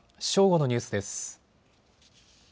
正午のニュースです。